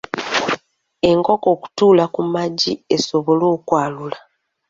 Enkoko okutuula ku magi esobole okwalula